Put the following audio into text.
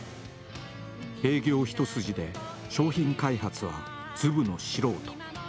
営業一筋で商品開発はずぶの素人。